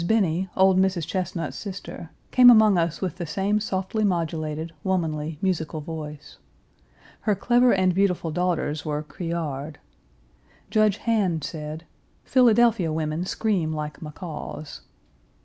Binney, old Mrs. Chesnut's sister, came among us with the same softly modulated, womanly, musical voice. Her clever and beautiful daughters were criard. Judge Han said: "Philadelphia women scream like macaws."